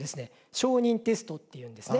証人テストっていうんですね。